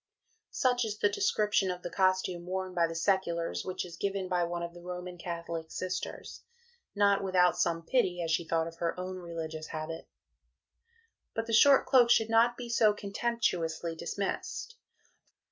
'" Such is the description of the costume worn by the seculars which is given by one of the Roman Catholic Sisters, not without some pity as she thought of her own religious habit. But the short cloak should not be so contemptuously dismissed.